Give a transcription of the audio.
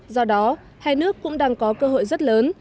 do đó hai nước cũng đang có cơ hội rất lớn